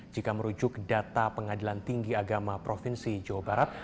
jika merujuk data pengadilan tinggiagama provinsi jawa barat